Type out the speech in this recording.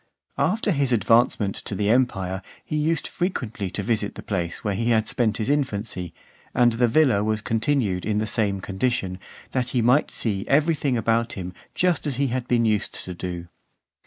After his advancement to the empire, he used frequently to visit the place where he had spent his infancy; and the villa was continued in the same condition, that he might see every thing about him just as he had been used to do.